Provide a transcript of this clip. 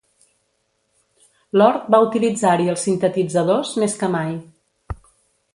Lord va utilitzar-hi els sintetitzadors més que mai.